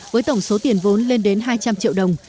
với tổng số tiền vốn lên đến hai trăm linh triệu đồng